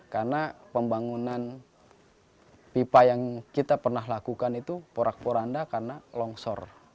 karena pembangunan pipa yang kita pernah lakukan itu porak poranda karena longsor